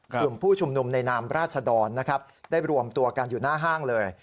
กลุ่มผู้ชุมนุมในนามราชดรนะครับได้รวมตัวกันอยู่หน้าห้างเลย